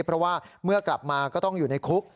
เพราะว่าเมื่อกลับมาก็ต้องอยู่ในคุก